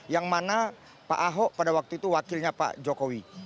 yang mana pak ahok pada waktu itu wakilnya pak jokowi